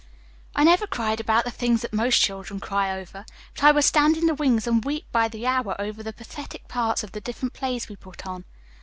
I never cried about the things that most children cry over, but I would stand in the wings and weep by the hour over the pathetic parts of the different plays we put on.